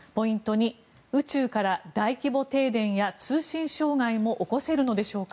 ２宇宙から大規模停電や通信障害も起こせるのでしょうか。